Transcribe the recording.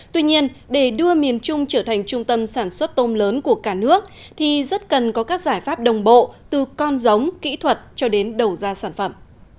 tuy nhiên để đưa miền trung trở thành trung tâm sản xuất tôm lớn của cả nước thì rất cần có các giải pháp đồng bộ từ con giống kỹ thuật cho đến đầu ra sản phẩm